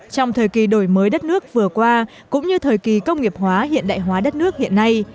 trong thời kỳ đổi mới đất nước vừa qua cũng như thời kỳ công nghiệp hóa hiện đại hóa đất nước hiện nay